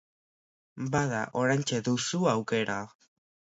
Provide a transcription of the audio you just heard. Bada, oraintxe duzu aukera.